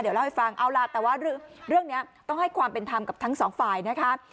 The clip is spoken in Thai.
เดี๋ยวเล่าให้ฟังเอาล่ะแต่ว่าเรื่องนี้ต้องให้ความเป็นธรรมกับทั้งสองฝ่ายนะคะ